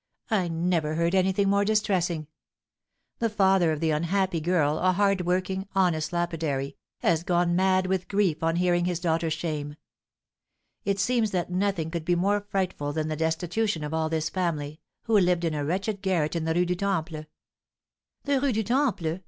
I never heard anything more distressing. The father of the unhappy girl, a hard working, honest lapidary, has gone mad with grief on hearing his daughter's shame. It seems that nothing could be more frightful than the destitution of all this family, who lived in a wretched garret in the Rue du Temple." "The Rue du Temple!"